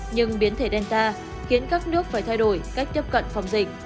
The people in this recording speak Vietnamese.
nhưng biến thể denta khiến các nước phải thay đổi cách tiếp cận phòng dịch